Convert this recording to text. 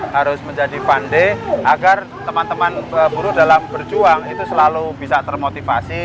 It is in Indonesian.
harus menjadi fun day agar teman teman buru dalam berjuang itu selalu bisa termotivasi